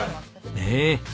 ねえ。